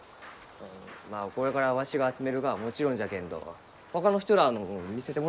まあこれからわしが集めるがはもちろんじゃけんどほかの人らあのも見せてもらわんと。